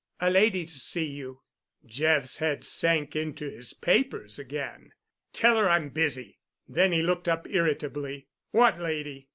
"A lady—to see you." Jeff's head sank into his papers again. "Tell her I'm busy!" Then he looked up irritably. "What lady?